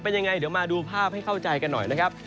เป็นยังไงเดี๋ยวมาดูภาพให้เข้าใจกันหน่อยนะครับ